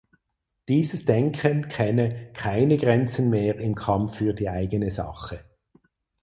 Dieses Denken kenne „keine Grenzen mehr im Kampf für die eigene Sache“.